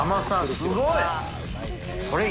すごい。